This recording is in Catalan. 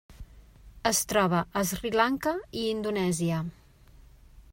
Es troba a Sri Lanka i Indonèsia.